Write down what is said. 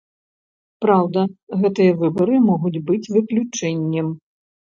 Праўда, гэтыя выбары могуць быць выключэннем.